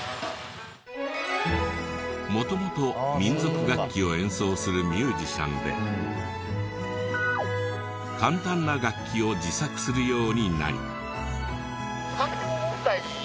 元々民族楽器を演奏するミュージシャンで簡単な楽器を自作するようになり。